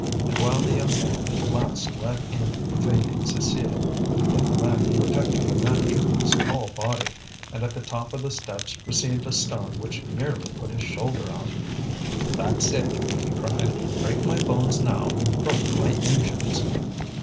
And while the young man at last led in the fainting Cécile, Deneulin protected the manager with his tall body, and at the top of the steps received a stone which nearly put his shoulder out. "That's it," he cried; "break my bones now you've broken my engines!"